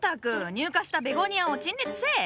入荷したベゴニアを陳列せえ。